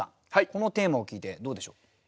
このテーマを聞いてどうでしょう？